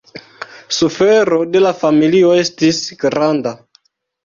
Sufero de la familio estis granda.